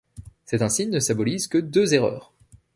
Cet insigne ne symbolise que deux erreurs.